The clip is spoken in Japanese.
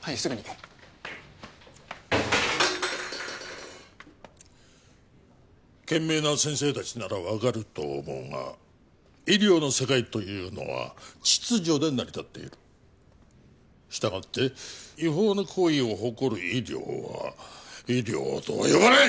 はいすぐに賢明な先生達なら分かると思うが医療の世界というのは秩序で成り立っている従って違法な行為を誇る医療は医療とは呼ばない！